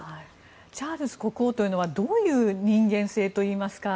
チャールズ国王というのはどういう人間性といいますか。